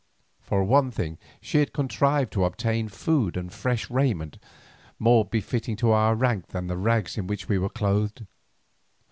For one thing she had contrived to obtain food and fresh raiment more befitting to our rank than the rags in which we were clothed.